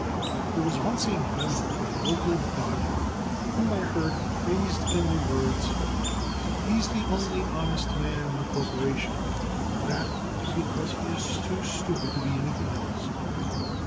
There was once a member of a local body whom I heard praised in the words: "He's the only honest man in the Corporation, and that is because he is too stupid to be anything else."